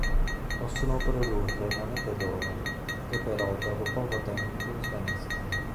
Possono produrre monete d'oro che però dopo poco tempo svaniscono.